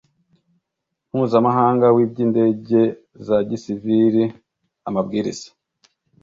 mpuzamahanga w iby indege za gisivili amabwiriza